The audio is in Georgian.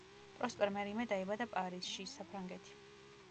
პროსპერ მერიმე დაიბადა პარიზში, საფრანგეთი.